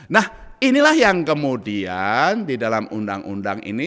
nah inilah yang kemudian di dalam undang undang ini